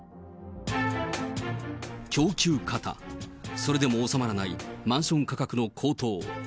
供給過多、それでも収まらないマンション価格の高騰。